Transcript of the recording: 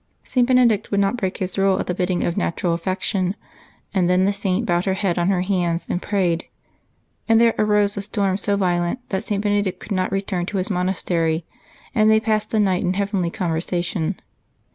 St. Benedict would not break his rule at the bidding of natural affection ; and then the Saint bowed her head on her hands and prayed ; and there arose a storm so violent that St. Benedict could not return to his monastery, and they passed the night in heavenly conversation.